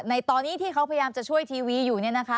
ในตอนนี้ที่เขาพยายามจะช่วยทีวีอยู่